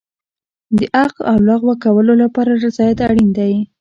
د عقد او لغوه کولو لپاره رضایت اړین دی.